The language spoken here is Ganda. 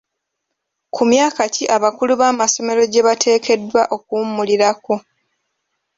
Ku myaka ki abakulu b'amasomero gye bateekeddwa okuwummulirako?